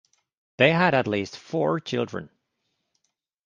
They had at least four children.